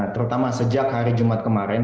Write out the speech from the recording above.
terutama sejak hari jumat kemarin